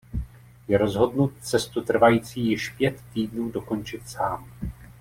Je rozhodnut cestu trvající již pět týdnů dokončit sám.